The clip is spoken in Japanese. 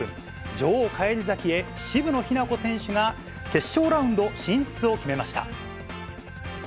女王返り咲きへ、渋野日向子選手が決勝ラウンド進出を決めました。